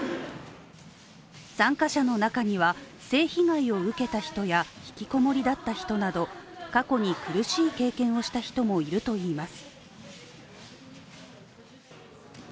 参加者の中には、性被害を受けた人や引きこもりだった人など過去に苦しい経験をした人もいるといいます。